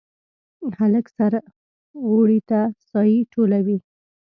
هلک سره اوړي ته سایې ټولوي